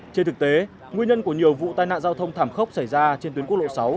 trên thực tế nguyên nhân của nhiều vụ tai nạn giao thông thảm khốc xảy ra trên tuyến quốc lộ sáu